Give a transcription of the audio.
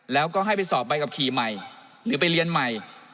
แล้วก็ให้ไปสอบใบขับขี่ใหม่หรือไปเรียนใหม่